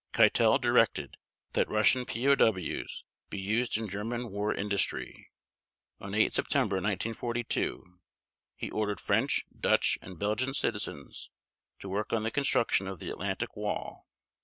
Keitel directed that Russian POW's be used in German war industry. On 8 September 1942 he ordered French, Dutch, and Belgian citizens to work on the construction of the Atlantic Wall.